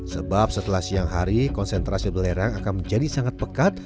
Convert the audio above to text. sebab setelah siang hari konsentrasi belerang akan menjadi sangat pekat